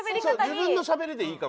自分のしゃべりでいいかも。